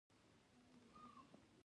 ژبې د افغان ښځو په ژوند کې رول لري.